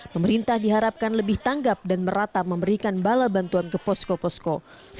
pemerintah diharapkan lebih tanggap dan merata memberikan bala bantuan ke posko posko